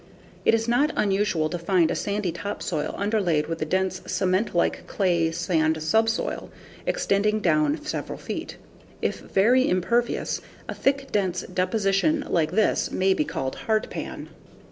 It is not unusual to find a sandy topsoil underlaid with a dense, cement like, clayey sand subsoil extending down several feet. If very impervious, a thick, dense deposition like this may be called hardpan.